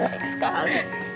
nenek baik sekali